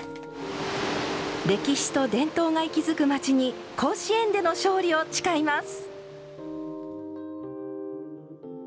歴史と伝統が息づく町に甲子園での勝利を誓います。